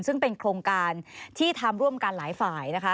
ซึ่งเป็นโครงการที่ทำร่วมกันหลายฝ่ายนะคะ